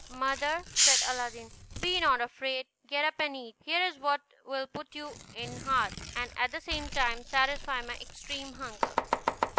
"Mother" said Aladdin, "be not afraid; get up and eat; here is what will put you in heart, and at the same time satisfy my extreme hunger."